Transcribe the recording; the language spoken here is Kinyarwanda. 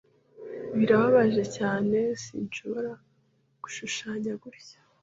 Birababaje cyane sinshobora gushushanya gutya.